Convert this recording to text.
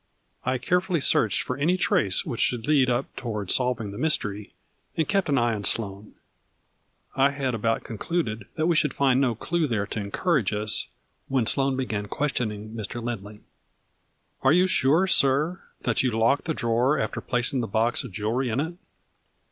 I carefully searched for any trace which should lead up toward solving the mystery, and kept an eye on Sloane. I had about concluded that we should find no clue there to encourage us, when Sloane began questioning Mr. Lindley. "Are you sure, sir, that you locked the drawer after placing the box of jewelry in it